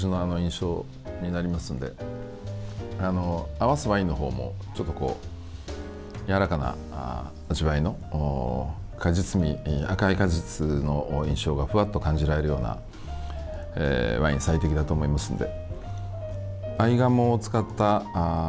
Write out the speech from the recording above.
合わすワインのほうもちょっとやわらかな味わいの果実味、赤い果実の印象がふわっと感じられるようなワイン最適だと思いますので。